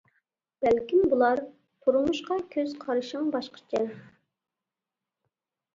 بەلكىم بولار تۇرمۇشقا، كۆز قارىشىڭ باشقىچە.